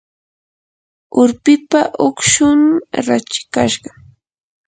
urpipa ukshun rachikashqam.